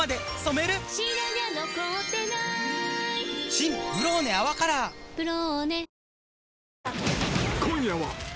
新「ブローネ泡カラー」「ブローネ」